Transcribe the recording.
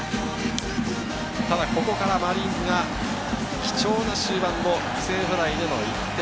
ただここからマリーンズが貴重な終盤の犠牲フライで１点。